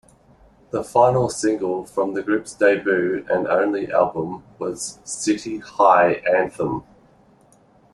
The final single from the group's debut and only album was "City High Anthem".